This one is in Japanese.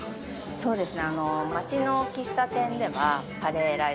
そうですか。